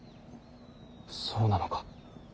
そうなのか。